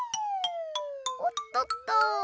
おっとっと。